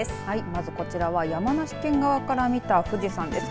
まず、こちら山梨県側から見た富士山です。